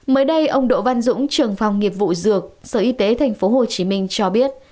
mới đây ông đỗ văn dũng trưởng phòng nghiệp vụ dược sở y tế tp hồ chí minh cho biết